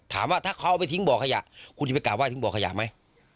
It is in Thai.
ถามว่าถ้าเขาเอาไปทิ้งบ่อขยะคุณจะไปกราบไห้ถึงบ่อขยะไหม